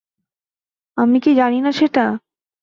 আমি কি জানি না সেটা?